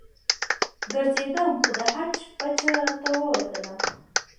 ګرځېدم خو د حج پچه رانه ووتله.